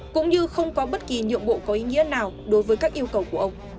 cũng như không có bất kỳ nhượng bộ có ý nghĩa nào đối với các yêu cầu của ông